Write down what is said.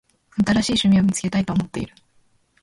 新しい趣味を見つけたいと思っている。